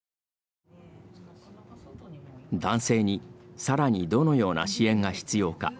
男性にさらにどのような支援が必要か。